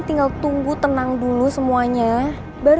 tinggal tunggu tenang dulu semuanya siap secret orli